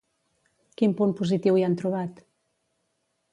Quin punt positiu hi han trobat?